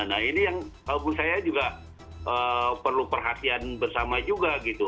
nah ini yang menurut saya juga perlu perhatian bersama juga gitu